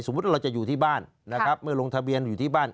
เราจะอยู่ที่บ้านนะครับเมื่อลงทะเบียนอยู่ที่บ้าน